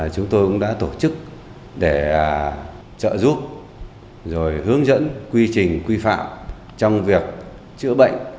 chúng tôi cũng đã tổ chức để trợ giúp rồi hướng dẫn quy trình quy phạm trong việc chữa bệnh